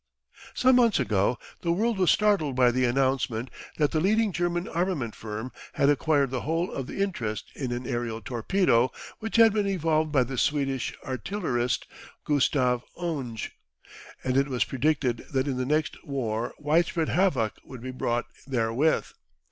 Some months ago the world was startled by the announcement that the leading German armament firm had acquired the whole of the interest in an aerial torpedo which had been evolved by the Swedish artillerist, Gustave Unge, and it was predicted that in the next war widespread havoc would be wrought therewith.